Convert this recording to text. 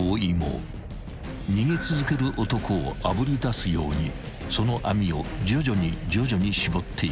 ［逃げ続ける男をあぶり出すようにその網を徐々に徐々に絞っていく］